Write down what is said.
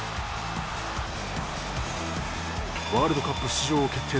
ワールドカップ出場を決定